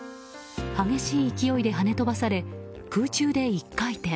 激しい勢いで跳ね飛ばされ空中で１回転。